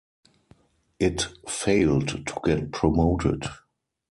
It failed to get promoted.